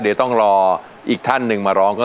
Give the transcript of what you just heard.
เดี๋ยวต้องรออีกท่านหนึ่งมาร้องก็